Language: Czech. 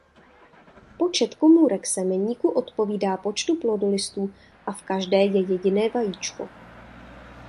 Počet komůrek semeníku odpovídá počtu plodolistů a v každé je jediné vajíčko.